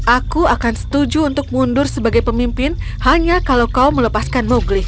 aku akan setuju untuk mundur sebagai pemimpin hanya kalau kau meminta mowgli untuk meninggalkannya